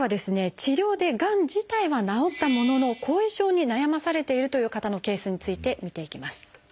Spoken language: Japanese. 治療でがん自体は治ったものの後遺症に悩まされているという方のケースについて見ていきます。